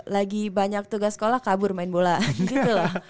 lagi banyak tugas sekolah kabur main bola gitu loh